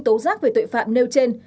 tố giác về tội phạm nêu trên